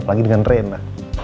apalagi dengan rena